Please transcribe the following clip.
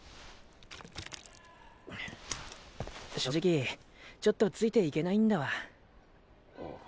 正直ちょっとついていけないんだわ。